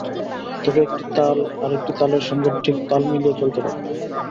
তবে একটি তাল আরেকটি তালের সঙ্গে ঠিক তাল মিলিয়ে চলতে পারে না।